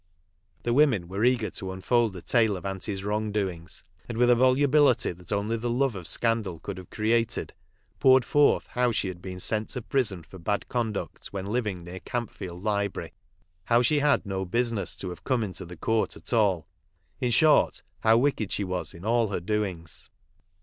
The women were eager to unfold a tale of Aunty's wrong doings, and with a volubility that only the love of scandal could have created, poured forth how she had been sent to prison for bad conduct when living near Campfield library ; how she had no business to have come into the court at all ; in short, how wicked she was in all her doings.